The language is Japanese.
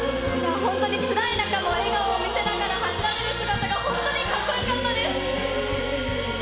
本当につらい中も笑顔を見せながら走られる姿が本当にかっこよかったです。